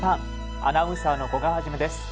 アナウンサーの古賀一です。